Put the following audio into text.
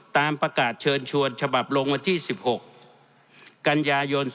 ตามประกาศเชิญชวนฉบับลงวันที่๑๖กันยายน๒๕๖